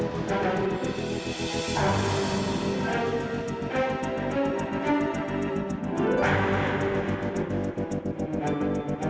susah ya ternyata